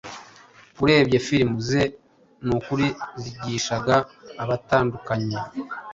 urebye frm ze nukuri zigishaga abatandukanye